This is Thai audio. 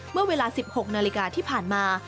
เมื่อเวลา๑๖นาฬิกาที่ผ่านมา